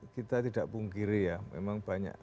kita tidak pungkiri ya memang banyak